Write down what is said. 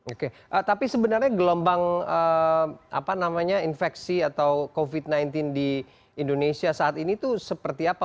oke tapi sebenarnya gelombang infeksi atau covid sembilan belas di indonesia saat ini itu seperti apa